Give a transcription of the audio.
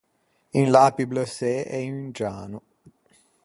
Un lapi bleuçê e un giano.